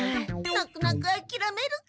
なくなくあきらめるか。